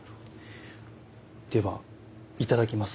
ではいただきます。